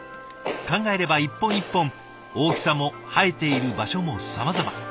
考えれば一本一本大きさも生えている場所もさまざま。